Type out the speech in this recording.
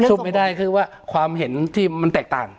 ไม่ได้คือว่าความเห็นที่มันแตกต่าง